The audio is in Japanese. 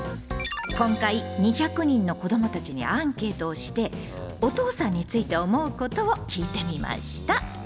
今回２００人の子どもたちにアンケートをしてお父さんについて思うことを聞いてみました。